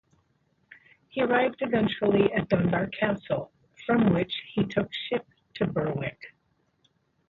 He arrived eventually at Dunbar Castle, from which he took ship to Berwick.